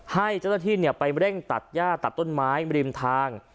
ให้เจ้าหน้าที่ไปเร่งตัดย่าตัดต้นไม้ริมทาง